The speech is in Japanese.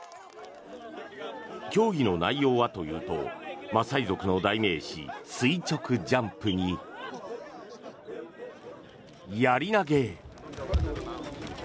競技の内容はというとマサイ族の代名詞垂直ジャンプにやり投げ。